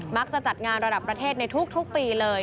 จัดงานระดับประเทศในทุกปีเลย